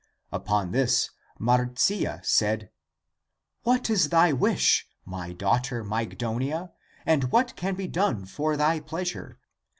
Upon this Marcia said, " What is thy wish, my daughter Mygdonia, and what can be done for thy pleasure?